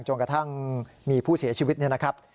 จนกระทั่งมีผู้เสียชีวิตเนี่ยนะครับ